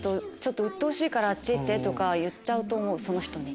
うっとうしいあっち行って！とか言っちゃうと思うその人に。